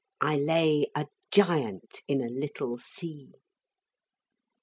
I lay, a giant in a little sea.